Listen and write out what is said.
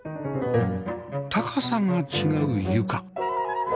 高さが違う床